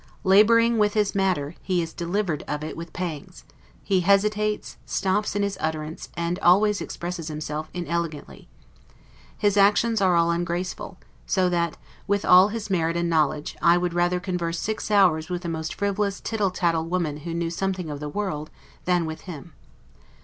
Laboring with his matter, he is delivered of it with pangs; he hesitates, stops in his utterance, and always expresses himself inelegantly. His actions are all ungraceful; so that, with all his merit and knowledge, I would rather converse six hours with the most frivolous tittle tattle woman who knew something of the world, than with him.